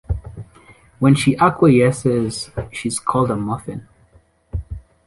When she acquiesces, she is called a muffin.